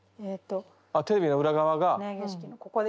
あっテレビの裏側が。